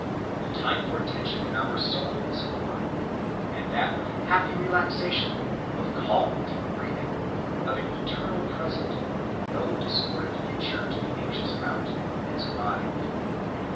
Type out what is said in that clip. The time for tension in our soul is over, and that of happy relaxation, of calm deep breathing, of an eternal present, with no discordant future to be anxious about, has arrived.